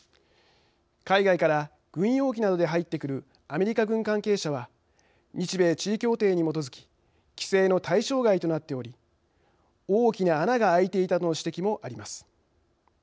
海外から軍用機などで入ってくるアメリカ軍関係者は日米地位協定に基づき規制の対象外となっており大きな穴が開いていたとの指摘もあります。